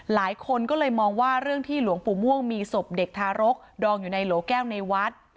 หลายคนก็เลยมองว่าเรื่องที่หลวงปู่ม่วงมีศพเด็กทารกดองอยู่ในโหลแก้วในวัด